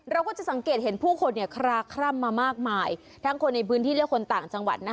เราก็จะสังเกตเห็นผู้คนเนี่ยคลาคล่ำมามากมายทั้งคนในพื้นที่และคนต่างจังหวัดนะคะ